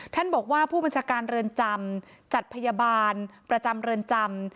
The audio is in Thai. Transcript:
ท่านบอกว่าผู้บัญชาการเรือนจำจัดพยาบาลประจำเรือนจำ